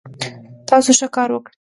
تاسو ښه کار وکړ